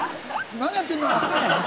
「何やってんの！」。